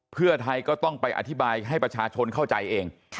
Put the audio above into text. เพื่อไทยก็ต้องไปอธิบายให้ประชาชนเข้าใจเอง